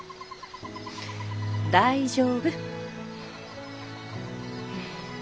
大丈夫。